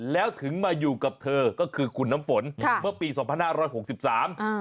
แล้วถึงมาอยู่กับเธอก็คือคุณน้ำฝนค่ะเมื่อปีสองพันห้าร้อยหกสิบสามอ่า